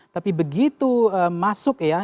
tapi begitu masuk ya